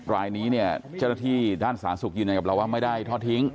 รายนี้เนี่ยเจ้าหน้าที่ด้านสาธารณสุขยืนยันกับเราว่าไม่ได้ทอดทิ้ง